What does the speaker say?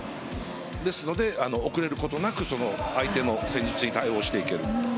ですので、遅れることなく相手の戦術に対応していける。